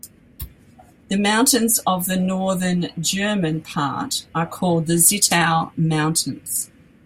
The mountains of the northern, German, part are called the Zittau Mountains.